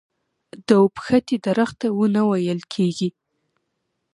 د اوبښتې درخته ونه ويل کيږي.